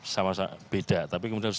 sama sama beda tapi kemudian